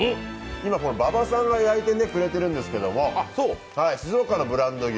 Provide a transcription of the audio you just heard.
馬場さんが焼いてくれてるんですけど静岡のブランド牛